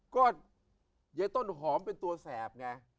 ก็ยายต้นหอมเป็นตัวแสบไง